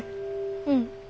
うん。